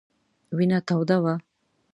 وینه توده وه.